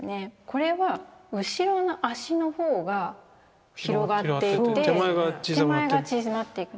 これは後ろの脚の方が広がっていて手前が縮まっていって。